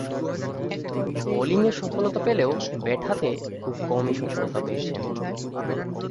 বোলিংয়ে সফলতা পেলেও ব্যাট হাতে খুব কমই সফলতা পেয়েছেন।